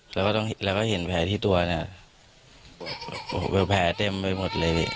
แล้วก็ต้องแล้วก็เห็นแผลที่ตัวเนี้ยโอ้โหแผลเต็มไปหมดเลย